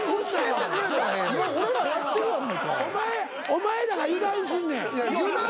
お前らが油断すんねん。